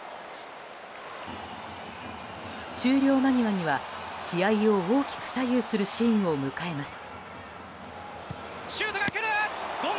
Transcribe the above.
終了間際には、試合を大きく左右するシーンを迎えます。